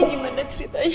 ini gimana ceritanya